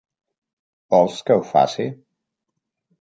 Vols que ho faci?